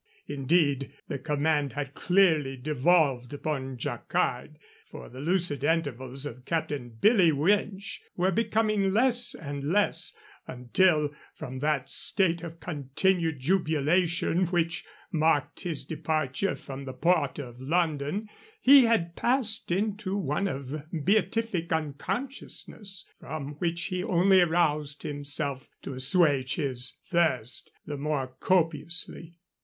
Indeed, the command had clearly devolved upon Jacquard; for the lucid intervals of Captain Billy Winch were becoming less and less, until from that state of continued jubilation which marked his departure from the port of London he had passed into one of beatific unconsciousness, from which he only aroused himself to assuage his thirst the more copiously.